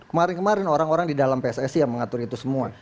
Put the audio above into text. kemarin kemarin orang orang di dalam pssi yang mengatur itu semua